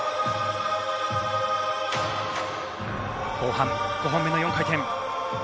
後半５本目の４回転。